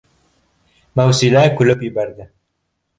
Мәүсилә көлөп ебәрҙе: